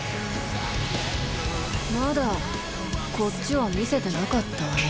まだこっちは見せてなかったわね。